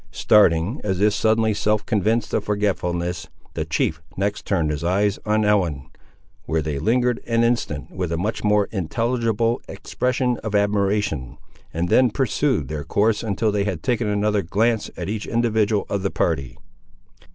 Starting, as if suddenly self convicted of forgetfulness, the chief next turned his eyes on Ellen, where they lingered an instant with a much more intelligible expression of admiration, and then pursued their course until they had taken another glance at each individual of the party.